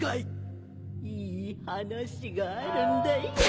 いい話があるんだよ。